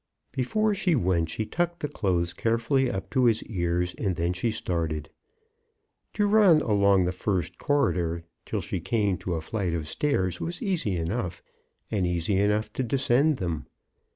Before she went she tucked the clothes care fully up to his ears, and then she started. To run along the first corridor till she came to a flight of stairs was easy enough, and easy enough to descend them.